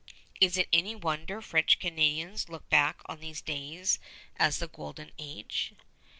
Is it any wonder French Canadians look back on these days as the Golden Age?